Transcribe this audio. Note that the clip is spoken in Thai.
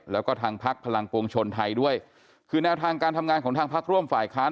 แล้วก็ทางพักพลังปวงชนไทยด้วยคือแนวทางการทำงานของทางพักร่วมฝ่ายค้าน